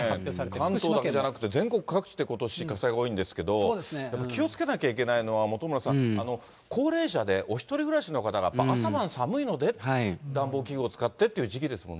関東だけじゃなくて、全国各地でことし火災が多いんですけど、やっぱり気をつけなきゃいけないのは、本村さん、高齢者で、お１人暮らしの方が朝晩寒いので、暖房器具を使ってっていう時期ですもんね。